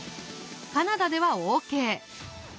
カナダではＯＫ！